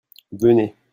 venez.